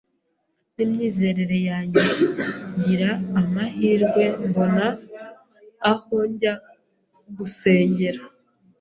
n’imyizerere yanjye, ngira amahirwe mbona aho njya gusengera